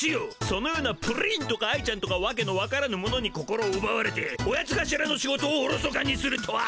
そのようなプリンとか愛ちゃんとかわけのわからぬものに心をうばわれてオヤツがしらの仕事をおろそかにするとは。